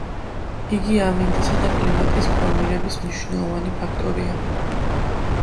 იგი ამინდისა და კლიმატის ფორმირების მნიშვნელოვანი ფაქტორია.